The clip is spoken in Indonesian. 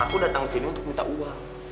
aku datang ke sini untuk minta uang